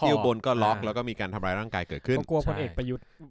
อยู่บนก็ล็อกแล้วก็มีการทำร้ายร่างกายเกิดขึ้นกลัวคนเอกประยุทธ์